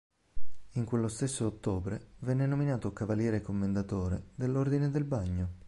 In quello stesso ottobre venne nominato Cavaliere Commendatore dell'Ordine del Bagno.